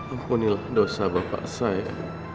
ampunilah dosa bapak saya